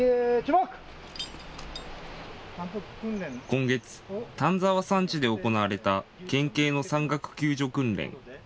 今月、丹沢山地で行われた県警の山岳救助訓練。